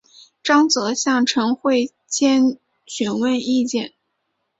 张则向陈惠谦询问意见。